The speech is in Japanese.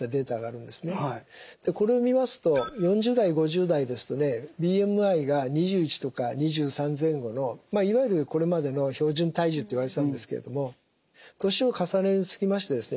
これを見ますと４０代５０代ですとねＢＭＩが２１とか２３前後のいわゆるこれまでの標準体重といわれてたんですけれども年を重ねるにつきましてですね